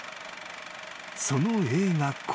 ［その映画こそ］